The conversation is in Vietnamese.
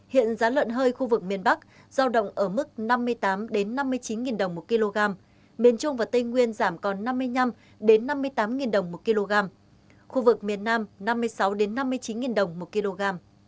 hiện giá lợn hơi khu vực miền bắc giao động ở mức năm mươi tám năm mươi chín đồng một kg miền trung và tây nguyên giảm còn năm mươi năm năm mươi tám đồng một kg khu vực miền nam năm mươi sáu năm mươi chín đồng một kg